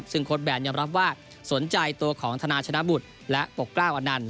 ซึ่งโค้ชแบนยำรับว่าสนใจตัวของธนาธนาบุษและปกราวอำนาจ